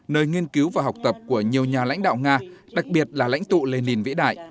nơi nghiên cứu và học tập của nhiều nhà lãnh đạo nga đặc biệt là lãnh tụ lenin vĩ đại